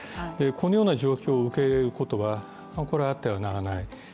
このような状況を受け入れることはあってはならない。